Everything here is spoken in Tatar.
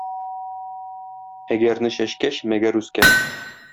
"әгәр"не чәчкәч "мәгәр" үскән.